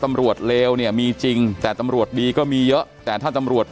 เลวเนี่ยมีจริงแต่ตำรวจดีก็มีเยอะแต่ถ้าตำรวจ